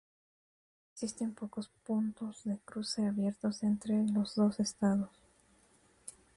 Existen pocos puntos de cruce abiertos entre los dos estados.